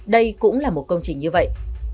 đây cũng là một công trình như vậy